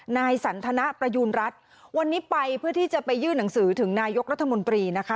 นายสันทนประยูณรัฐวันนี้ไปเพื่อที่จะไปยื่นหนังสือถึงนายกรัฐมนตรีนะคะ